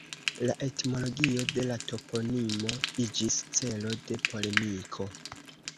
La etimologio de la toponimo iĝis celo de polemiko.